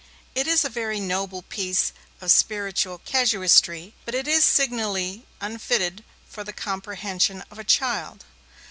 It is a very noble piece of spiritual casuistry, but it is signally unfitted for the comprehension of a child.